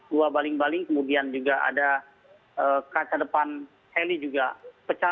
dua baling baling kemudian juga ada kaca depan heli juga pecah